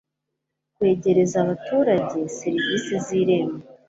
kwegereza abaturage serivisi z irembo